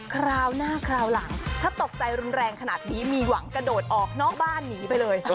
คราวหน้าคราวหลังถ้าตกใจรุนแรงขนาดนี้มีหวังกระโดดออกนอกบ้านหนีไปเลย